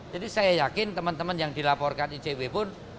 jadi saya yakin teman teman yang dilaporkan icw pun